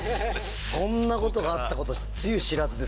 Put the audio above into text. そんなことがあったことつゆ知らずですよ。